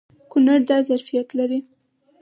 کونړ دا ظرفیت لري.